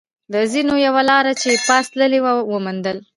د زینو یوه لار چې پاس تللې وه، و موندل.